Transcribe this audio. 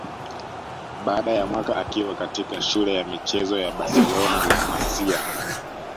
Baada ya mwaka akiwa katika shule ya michezo ya Barcelona La Masia